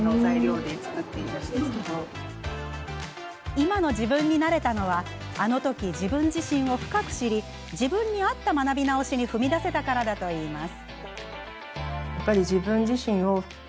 今の自分になれたのはあの時、自分自身を深く知り自分に合った学び直しに踏み出せたからだといいます。